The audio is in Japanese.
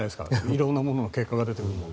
色んなものの結果が出てくるのは。